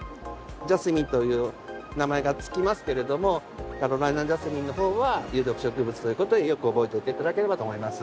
ジャスミンという名前が付きますけれどもカロライナジャスミンの方は有毒植物という事をよく覚えておいて頂ければと思います。